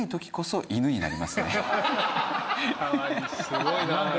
すごいな。